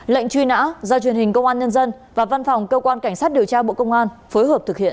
lệnh truy nã do truyền hình công an nhân dân và văn phòng cơ quan cảnh sát điều tra bộ công an phối hợp thực hiện